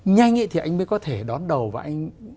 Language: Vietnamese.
nhanh thì anh mới có thể đón đầu và anh